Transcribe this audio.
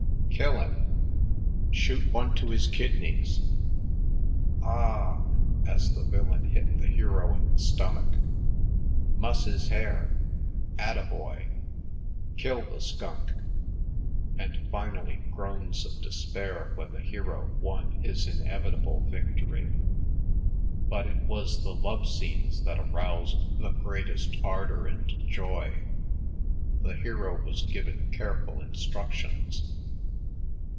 "Kill him!"... "Shoot one to his kidneys!"... "Ahhhhh," as the villain hit the hero in the stomach.... "Muss his hair. Attaboy!"... "Kill the skunk!" And finally groans of despair when the hero won his inevitable victory. But it was the love scenes that aroused the greatest ardor and joy. The hero was given careful instructions.